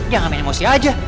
jangan main emosi aja